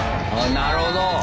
なるほど。